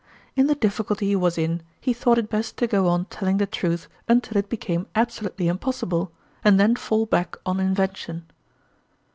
In the difficulty he was in he thought it best to go on telling the truth until it became absolutely impossible, and then fall back on invention.